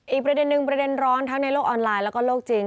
อีกประเด็นหนึ่งประเด็นร้อนทั้งในโลกออนไลน์แล้วก็โลกจริง